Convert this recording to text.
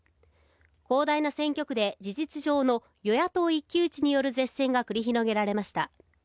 広大な選挙区で事実上の与野党一騎打ちによる舌戦が繰り広げられました。